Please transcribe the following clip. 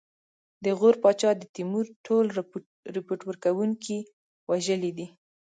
د غور پاچا د تیمور ټول رپوټ ورکوونکي وژلي دي.